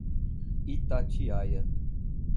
Itatiaia